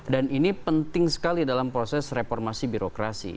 dan ini penting sekali dalam proses reformasi birokrasi